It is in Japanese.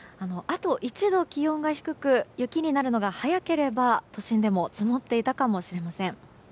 あと１度気温が低く雪になるのが早ければ都心でも積もっていたかもしれません。